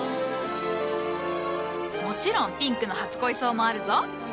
もちろんピンクの初恋草もあるぞ。